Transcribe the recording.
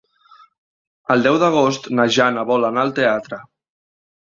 El deu d'agost na Jana vol anar al teatre.